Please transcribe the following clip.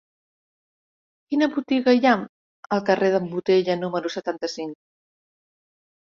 Quina botiga hi ha al carrer d'en Botella número setanta-cinc?